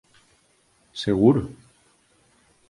Seguro.